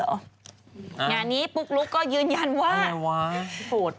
อันนี้ปุ๊กลุ๊กก็ยืนยันว่าอะไรวะโหด